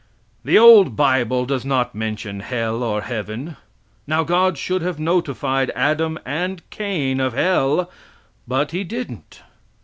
The old bible does not mention hell or heaven. Now God should have notified Adam and Cain of hell, but He didn't.